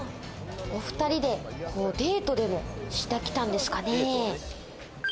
お２人でデートでもしてきたんですかね。